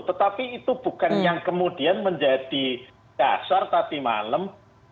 tetapi itu bukan yang kemudian menjadi dasar tadi malam